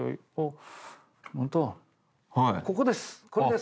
これです。